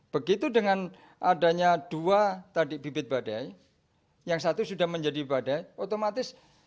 begitu dengan adanya dua tadi bibit badai yang satu sudah menjadi badai otomatis